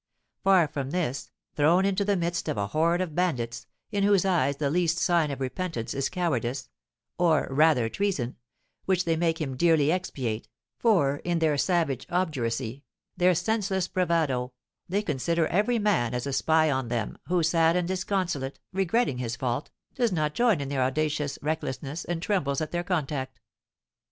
Far from this, thrown into the midst of a horde of bandits, in whose eyes the least sign of repentance is cowardice, or, rather, treason, which they make him dearly expiate; for, in their savage obduracy, their senseless bravado, they consider every man as a spy on them, who, sad and disconsolate, regretting his fault, does not join in their audacious recklessness, and trembles at their contact.